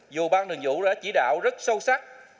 dù ban đường dụ đã chỉ đạo rất sâu sắc